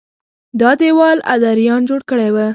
دا دېوال ادریان جوړ کړی و